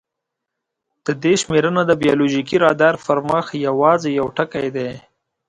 د دې شمېرنه د بایولوژیکي رادار پر مخ یواځې یو ټکی دی.